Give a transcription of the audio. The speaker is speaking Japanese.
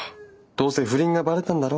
どうせ不倫がバレたんだろ。